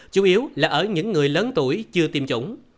chủ yếu là ở những người lớn tuổi chưa tiêm chủng